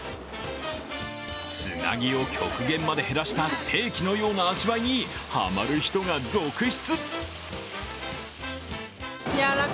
つなぎを極限まで減らしたステーキのような味わいに、ハマる人が続出。